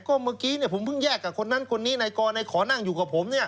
ก็เมื่อกี้ผมเพิ่งแยกกับคนนั้นคนนี้นายกรนายขอนั่งอยู่กับผม